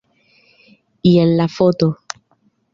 Jen la foto.